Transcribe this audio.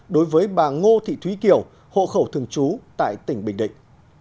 đối với bà ngô thị thúy kiều hộ khẩu thường trú tại tỉnh bình định